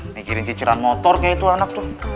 mikirin cicilan motor kayak itu anak tuh